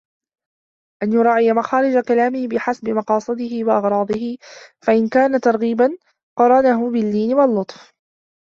أَنْ يُرَاعِيَ مَخَارِجَ كَلَامِهِ بِحَسَبِ مَقَاصِدِهِ وَأَغْرَاضِهِ فَإِنْ كَانَ تَرْغِيبًا قَرَنَهُ بِاللِّينِ وَاللُّطْفِ